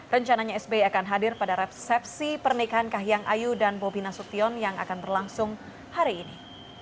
rencananya sbi akan hadir pada resepsi pernikahan kahiyang ayu dan bobi nasution yang akan berlangsung hari ini